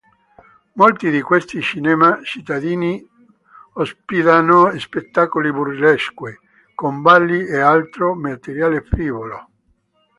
Molti di questi cinema cittadini ospitano spettacoli burlesque, con balli e altro materiale frivolo.